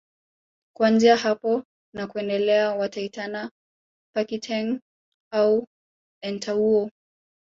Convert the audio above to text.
Kuanzia hapo na kuendelea wataitana Pakiteng au Entawuo